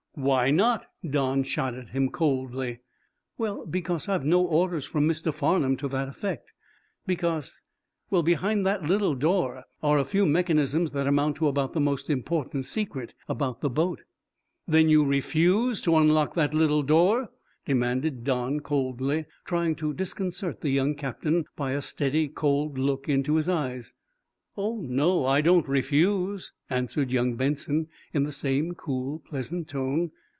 "Why not?" Don shot at him, coldly. "Well because I've no orders from Mr. Farnum to that effect. Because well, behind that little door are a few mechanisms that amount to about the most important secret about the boat." "Then you refuse to unlock that little door?" demanded Don, coldly, trying to disconcert the young captain by a steady, cold look into his eyes. "Oh, no; I don't refuse," answered young Benson, in the same cool, pleasant tone.